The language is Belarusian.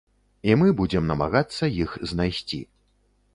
І мы будзем намагацца іх знайсці.